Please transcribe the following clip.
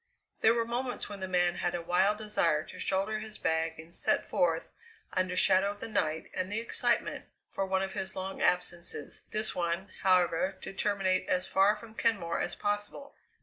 There were moments when the man had a wild desire to shoulder his bag and set forth under shadow of the night and the excitement, for one of his long absences, this one, however, to terminate as far from Kenmore as possible.